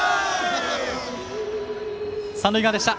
三塁側でした。